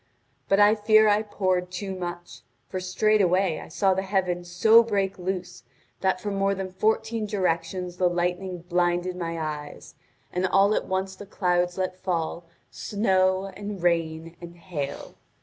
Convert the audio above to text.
But I fear I poured too much, for straightway I saw the heavens so break loose that from more than fourteen directions the lightning blinded my eyes, and all at once the clouds let fall snow and rain and hail.